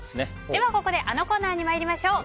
ではここで、あのコーナーに参りましょう。